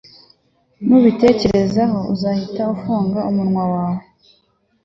nubitekerezaho uzahite ufunga umunwa wawe